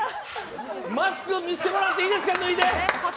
マスクを見せてもらっていいですか？